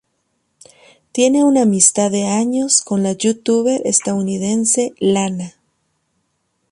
Tiene una amistad de años con la youtuber estadounidense Lana.